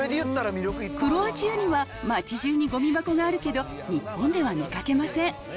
クロアチアには街じゅうにごみ箱があるけど、日本では見かけません。